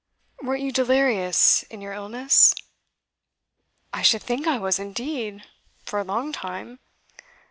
'Weren't you delirious in your illness?' 'I should think I was indeed! For a long time.